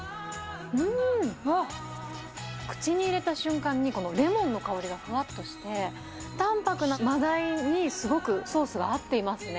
うーん、うわっ、口に入れた瞬間にこのレモンの香りがふわっとして、淡白なマダイにすごくソースが合っていますね。